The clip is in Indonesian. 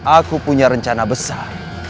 aku punya rencana besar